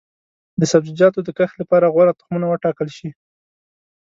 د سبزیجاتو د کښت لپاره غوره تخمونه وټاکل شي.